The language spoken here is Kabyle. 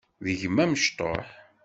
D gma amecṭuḥ.